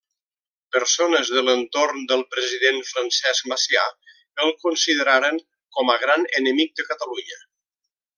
Persones de l'entorn del president Francesc Macià el consideraren com a gran enemic de Catalunya.